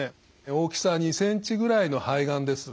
大きさ２ｃｍぐらいの肺がんです。